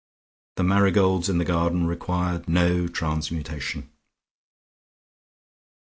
The marigolds in the garden required no transmutation....